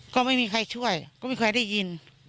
ก็ไม่มีใครช่วยก็ไม่มีใครได้ยิน